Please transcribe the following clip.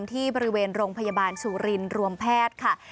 ที่บริเวณโรงพยาบาลสุรินรวมแพทย์ค่ะ